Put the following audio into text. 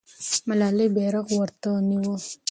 ملالۍ بیرغ ورته نیوه.